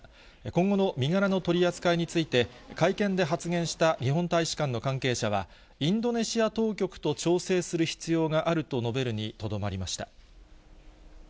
今後の身柄の取り扱いについて、会見で発言した日本大使館の関係者は、インドネシア当局と調整する必要があると述べるにとどまりました。